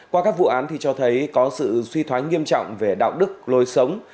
qua các vụ án thì cho thấy có sự suy thoái nghiêm trọng về đạo đức lôi sống